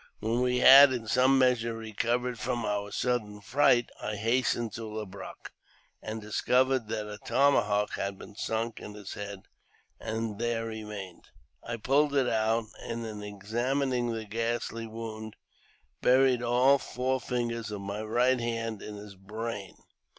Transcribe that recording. When we had in some measure recovered from our sudden fright, I hastened to Le Brache, and dis covered that a tomahawk had been sunk in his head, and there remained. I pulled it out, and in examining the ghastly wound, buried all four fingers of my right hand in his brain.